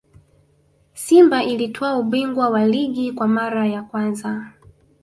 simba ilitwaa ubingwa wa ligi kwa mara ya kwanza